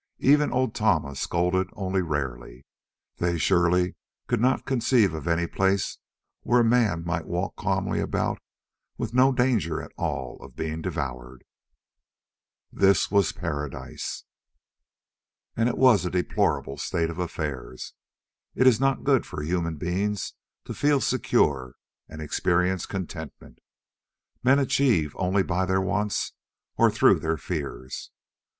Even old Tama scolded only rarely. They surely could not conceive of any place where a man might walk calmly about with no danger at all of being devoured. This was paradise! And it was a deplorable state of affairs. It is not good for human beings to feel secure and experience contentment. Men achieve only by their wants or through their fears.